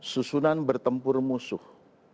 susunan bertempur musuh